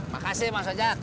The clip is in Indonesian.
makasih mas ojak